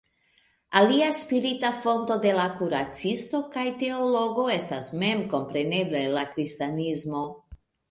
Alia spirita fonto de la kuracisto kaj teologo estas memkompreneble la kristanismo.